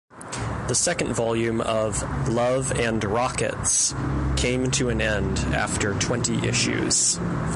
The second volume of "Love and Rockets" came to an end after twenty issues.